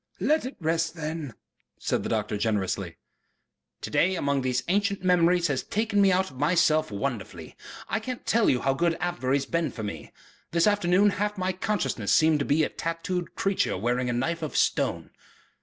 "Let it rest then," said the doctor generously. "To day, among these ancient memories, has taken me out of myself wonderfully. I can't tell you how good Avebury has been for me. This afternoon half my consciousness has seemed to be a tattooed creature wearing a knife of stone...."